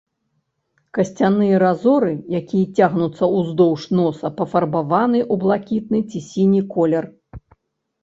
Касцяныя разоры, якія цягнуцца ўздоўж носа, пафарбаваны ў блакітны ці сіні колер.